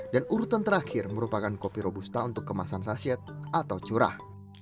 dan urutan terakhir merupakan kopi robusta untuk kemasan sachet atau curah